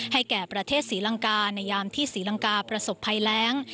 แก่ประเทศศรีลังกาในยามที่ศรีลังกาประสบภัยแรง